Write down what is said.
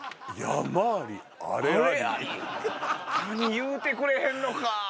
言うてくれへんのか。